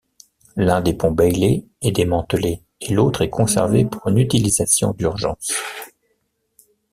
L'un des ponts Bailey est démantelé et l'autre est conservé pour une utilisation d'urgence.